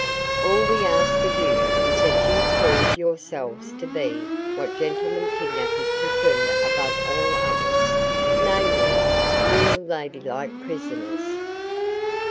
All we ask of you is that you prove yourselves to be what gentlemen kidnappers prefer above all others, namely, real ladylike prisoners.